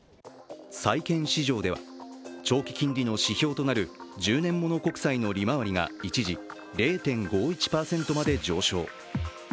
債券市場では長期金利の指標となる１０年物国債の利回りが一時、０．５１％まで上昇。